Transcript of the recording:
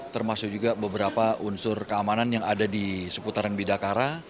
termasuk juga beberapa unsur keamanan yang ada di seputaran bidakara